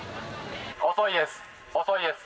遅いです。